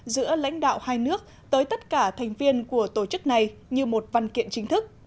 giữa lãnh đạo hai nước tới tất cả thành viên của tổ chức này như một văn kiện chính thức